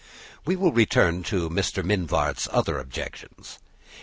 We will return to Mr. Mivart's other objections.